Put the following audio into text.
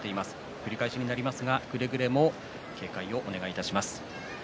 繰り返しになりますが、くれぐれも警戒をお願いいたします。